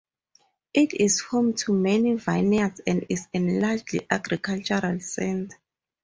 It is home to many vineyards and is a largely agricultural center.